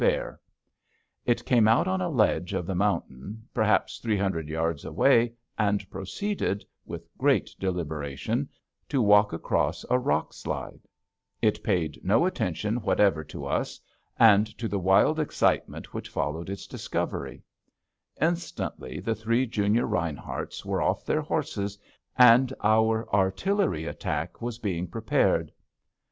[Illustration: Mountain miles: The trail up Swiftcurrent Pass, Glacier National Park] It came out on a ledge of the mountain, perhaps three hundred yards away, and proceeded, with great deliberation, to walk across a rock slide. It paid no attention whatever to us and to the wild excitement which followed its discovery. Instantly, the three junior Rineharts were off their horses, and our artillery attack was being prepared.